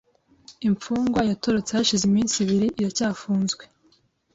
Imfungwa yatorotse hashize iminsi ibiri iracyafunzwe .